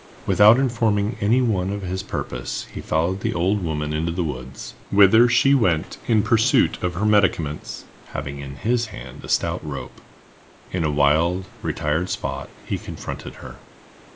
Without informing any one of his purpose, he followed the old woman into the woods—whither she went in pursuit of her medicaments—having in his hands a stout rope. In a wild, retired spot, he confronted her.